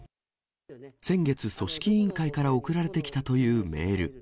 先月、組織委員会から送られてきたというメール。